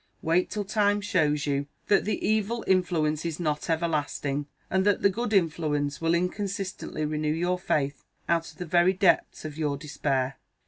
Wait till time shows you that the evil influence is not everlasting, and that the good influence will inconsistently renew your faith out of the very depths of your despair.